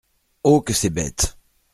Oh ! que c’est bête !